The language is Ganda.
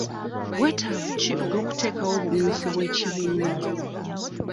Bweetavu ki obw'okuteekawo obumyufu bw'ekibiina?